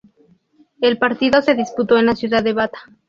El partido se disputó en la ciudad de Bata.